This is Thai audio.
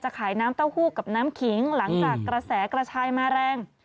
ขายน้ำเต้าหู้กับน้ำขิงหลังจากกระแสกระชายมาแรง